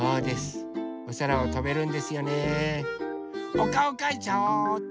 おかおかいちゃおうっと！